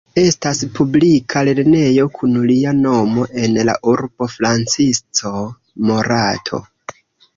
Estas publika lernejo kun lia nomo en la urbo Francisco Morato.